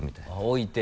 置いて？